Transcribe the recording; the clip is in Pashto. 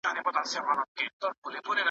آيا سانسور سوي کتابونه زموږ اړتيا پوره کوي؟